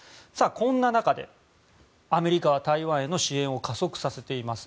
こんな中で、アメリカは台湾への支援を加速させています。